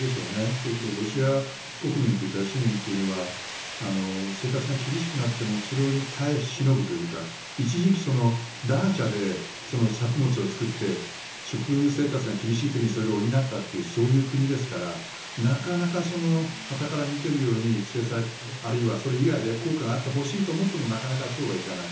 それとロシア国民というか市民というのは生活が厳しくなってもそれを耐え忍ぶというか一時期、ダーチャで作物を作って食生活が厳しい時にそれで補ったというそういう国ですからなかなかはたから見ているように制裁あるいはそれ以外で効果があってほしいと思ってもなかなかそうはいかない。